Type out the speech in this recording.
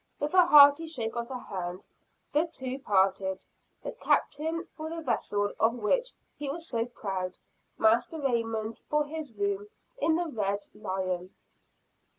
With a hearty shake of the hand the two parted, the Captain for the vessel of which he was so proud; Master Raymond for his room in the Red Lion.